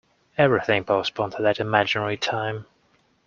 Everything postponed to that imaginary time!